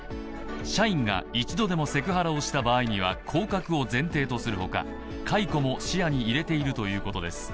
社員が一度でもセクハラをした場合には降格を前提とするほか解雇も視野に入れているということです。